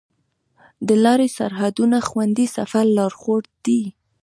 د لارې سرحدونه د خوندي سفر لارښود دي.